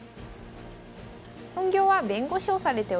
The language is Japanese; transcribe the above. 本業は弁護士をされております。